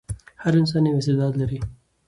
هر انسان یو استعداد لري.